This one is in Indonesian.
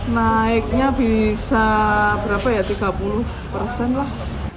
naiknya bisa berapa ya tiga puluh persen lah